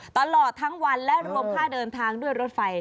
ตลอดทั้งวันและรวมค่าเดินทางด้วยรถไฟ